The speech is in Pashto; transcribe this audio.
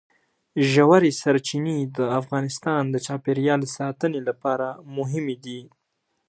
ژورې سرچینې د افغانستان د چاپیریال ساتنې لپاره مهمي دي.